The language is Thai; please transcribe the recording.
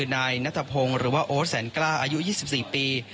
นายนัทพงศ์หรือว่าโอ๊ตแสนกล้าอายุ๒๔ปี